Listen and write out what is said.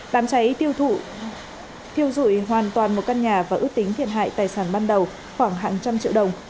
đám cháy tiêu thụ thiêu dụi hoàn toàn một căn nhà và ước tính thiệt hại tài sản ban đầu khoảng hàng trăm triệu đồng